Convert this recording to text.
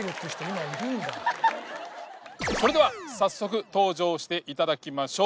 それでは早速登場していただきましょう。